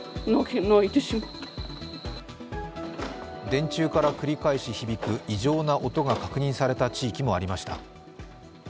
電柱から繰り返し響く異常な音が確認された地域もありました。